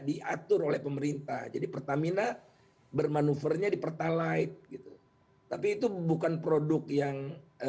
diatur oleh pemerintah jadi pertamina bermanuvernya di pertalite gitu tapi itu bukan produk yang